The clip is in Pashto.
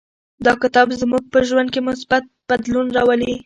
دا کتاب زموږ په ژوند کې مثبت بدلون راولي.